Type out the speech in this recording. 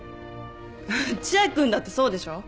千秋君だってそうでしょう？